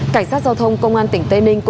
cảnh sát giao thông công an tỉnh tây ninh